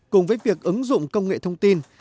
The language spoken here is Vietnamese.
cùng với việc ứng dụng công nghệ thông tin